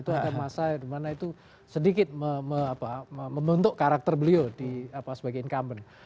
itu ada masa dimana itu sedikit membentuk karakter beliau sebagai incumbent